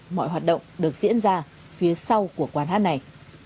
mọi hoạt động được diễn ra phía sau của quán hát này